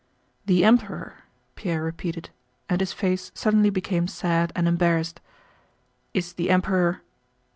"The Emperor," Pierre repeated, and his face suddenly became sad and embarrassed, "is the Emperor...?"